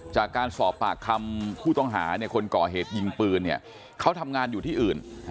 จากการสอบปากคำผู้ต้องหาคนก่อเหตุยิงปืนเนี่ยเขาทำงานอยู่ที่อื่น